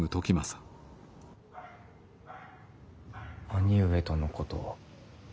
兄上とのこと